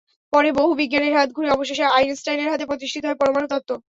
পরে বহু বিজ্ঞানীর হাত ঘুরে অবশেষে আইনস্টাইনের হাতে প্রতিষ্ঠিত হয় পরমাণু তত্ত্ব।